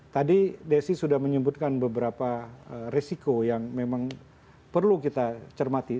tadi desi sudah menyebutkan beberapa risiko yang memang perlu kita cermati